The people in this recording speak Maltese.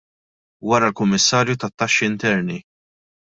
Wara l-Kummissarju tat-Taxxi Interni.